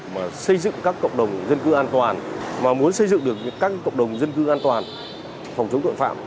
mà xây dựng các cộng đồng dân cư an toàn mà muốn xây dựng được các cộng đồng dân cư an toàn phòng chống tội phạm